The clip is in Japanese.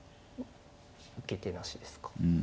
受け手なしですか。